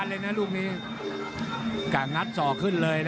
มองกันยาก